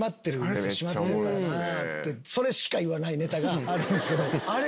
それしか言わないネタがあるんですけどあれ